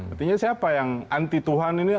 artinya siapa yang anti tuhan ini